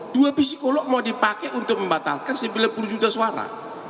dua psikolog mau dipakai untuk membatalkan sembilan puluh juta suara